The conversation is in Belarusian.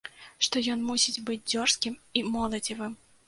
Што ён мусіць быць дзёрзкім і моладзевым.